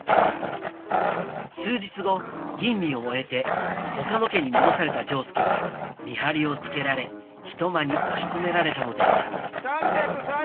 数日後吟味を終えて岡野家に戻された丈助は見張りをつけられひと間に押し込められたのですが・